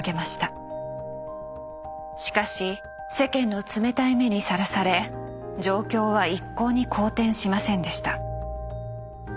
しかし世間の冷たい目にさらされ状況は一向に好転しませんでした。